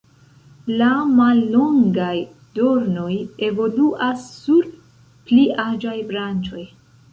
La mallongaj dornoj evoluas sur pli aĝaj branĉoj.